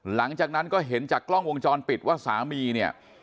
หลังจากนั้นก็เห็นจากกล้องวงจรปิดว่าสามีเนี่ย